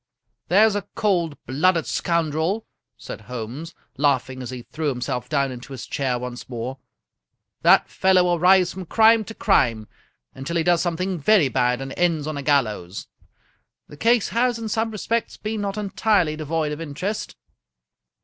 "There's a cold blooded scoundrel!" said Holmes, laughing as he threw himself down into his chair once more. " That fellow will rise from crime to crime until he does something very bad and ends on a gallows. The case has, in some respects, been not entirely devoid of interest."